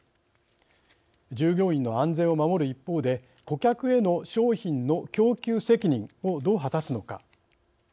従業員の安全を守る一方で顧客への商品の供給責任をどう果たすのか。